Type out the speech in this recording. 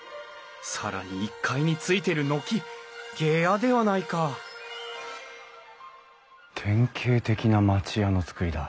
更に１階についてる軒下屋ではないか典型的な町家の造りだ。